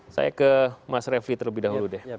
saya ke mas refli terlebih dahulu deh